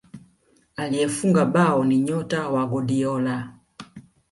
aliyefunga bao ni nyota wa guardiola